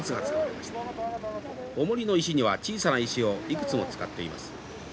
おもりの石には小さな石をいくつも使っています。